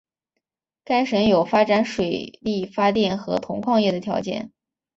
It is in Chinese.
该省有发展水力发电和铜矿业的条件。